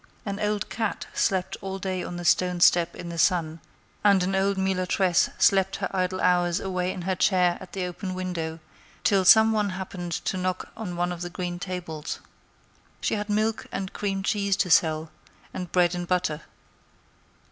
An old cat slept all day on the stone step in the sun, and an old mulatresse slept her idle hours away in her chair at the open window, till some one happened to knock on one of the green tables. She had milk and cream cheese to sell, and bread and butter.